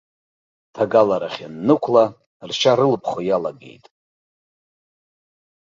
Ҭагаларахь ианнықәла, ршьа рылԥхо иалагеит.